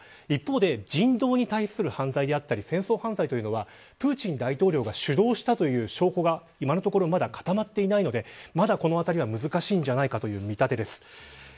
一方で、人道に対する犯罪や戦争犯罪はプーチン大統領が主導したという証拠が今のところまだ固まっていないのでまだ、このあたりは難しいのではないかという見立てです。